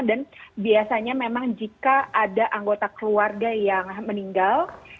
dan biasanya memang jika ada anggota keluarga yang meninggal